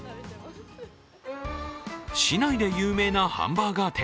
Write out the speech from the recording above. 市内で有名なハンバーガー店